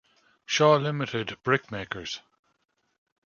Shaw Limited, brickmakers.